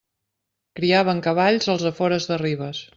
Criaven cavalls als afores de Ribes.